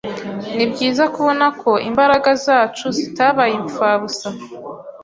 Nibyiza kubona ko imbaraga zacu zitabaye impfabusa.